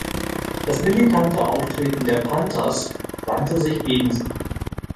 Das militante Auftreten der Panthers wandte sich gegen sie.